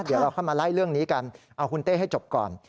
เดี๋ยวเราค่อยมาไล่เรื่องนี้กันเอาคุณเต้ให้จบก่อน